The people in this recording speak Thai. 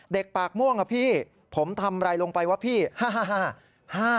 ปากม่วงอะพี่ผมทำอะไรลงไปวะพี่